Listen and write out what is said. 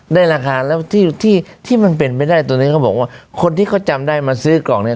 ได้ราคาแล้วที่ที่มันเป็นไปได้ตัวนี้เขาบอกว่าคนที่เขาจำได้มาซื้อกล่องเนี้ย